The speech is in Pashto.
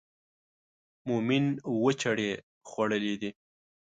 مومن اووه چړې خوړلې دي.